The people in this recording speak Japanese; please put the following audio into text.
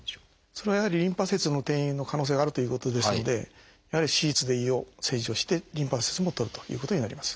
それはやはりリンパ節への転移の可能性があるということですのでやはり手術で胃を切除してリンパ節も取るということになります。